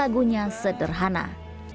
aku akan berubah